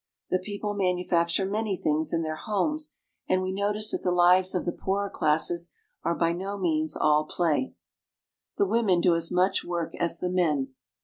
The people manufacture many things in their homes, and we notice that the lives of the poorer classes are by no means all play. The women do as much work as the men.